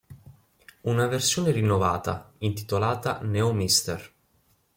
Una versione rinnovata, intitolata "Neo Mr.